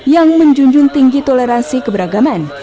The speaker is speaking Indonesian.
yang menjunjung tinggi toleransi keberagaman